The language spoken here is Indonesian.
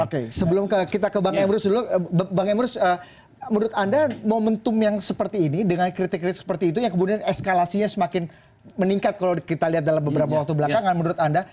oke sebelum kita ke bang emrus dulu bang emrus menurut anda momentum yang seperti ini dengan kritik kritik seperti itu yang kemudian eskalasinya semakin meningkat kalau kita lihat dalam beberapa waktu belakangan menurut anda